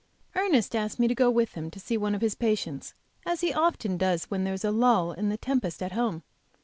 ERNEST asked me to go with him to see one of his patients, as he often does when there is a lull in the tempest at home.